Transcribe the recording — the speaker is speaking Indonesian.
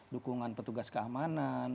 dukungan petugas keamanan